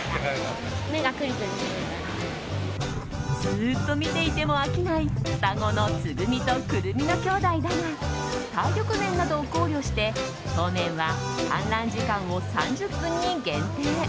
ずっと見ていても飽きない双子の、つぐみとくるみのきょうだいだが体力面などを考慮して当面は観覧時間を３０分に限定。